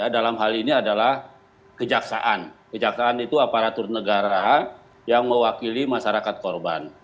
dalam hal ini adalah kejaksaan kejaksaan itu aparatur negara yang mewakili masyarakat korban